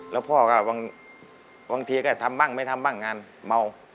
แล้วพ่อก็บางทีก็ทำบ้างไม่ทำบ้างงานเมา